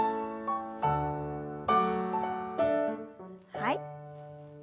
はい。